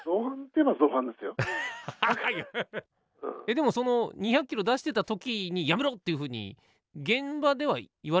でもその２００キロ出してた時に「やめろ」っていうふうに現場では言われなかった？